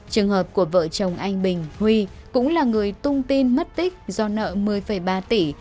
trường hợp của vợ chồng anh bình huy cũng là người tung tin mất tích do nợ một mươi ba tỷ